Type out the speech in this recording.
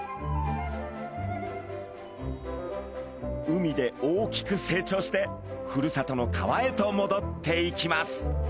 海で大きく成長してふるさとの川へともどっていきます。